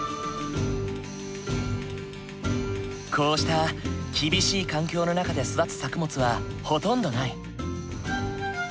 こうした厳しい環境の中で育つ作物はほとんどない。